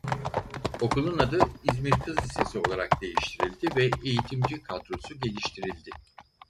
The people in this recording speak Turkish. Okulun adı "İzmir Kız Lisesi" olarak değiştirildi ve eğitimci kadrosu geliştirildi.